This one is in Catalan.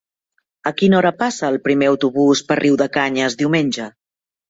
A quina hora passa el primer autobús per Riudecanyes diumenge?